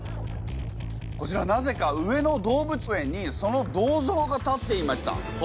こちらなぜか上野動物園にその銅像が建っていました。